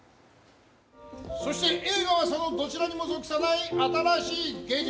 そして映画はそのどちらにも属さない新しい芸術。